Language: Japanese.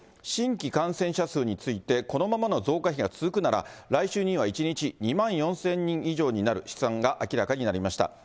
新規感染者数について、このままの増加比が続くなら、来週には１日２万４０００人以上になる試算が明らかになりました。